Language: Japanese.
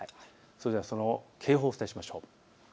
それでは警報をお伝えしましょう。